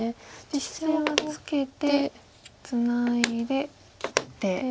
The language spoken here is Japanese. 実戦はツケてツナいで切って。